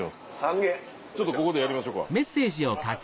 ちょっとここでやりましょうか。